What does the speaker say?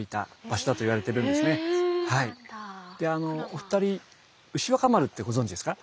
お二人牛若丸ってご存じですか？